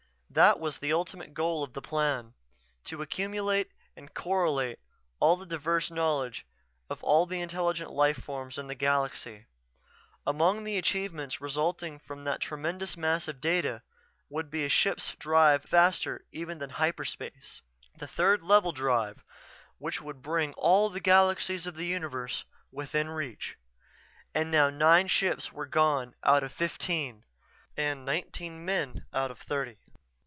That was the ultimate goal of the Plan: to accumulate and correlate all the diverse knowledge of all the intelligent life forms in the galaxy. Among the achievements resulting from that tremendous mass of data would be a ship's drive faster even than hyperspace; the Third Level Drive which would bring all the galaxies of the universe within reach. And now nine ships were gone out of fifteen and nineteen men out of thirty....